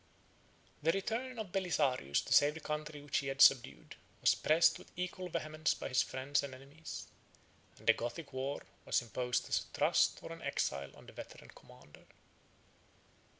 ] The return of Belisarius to save the country which he had subdued, was pressed with equal vehemence by his friends and enemies; and the Gothic war was imposed as a trust or an exile on the veteran commander.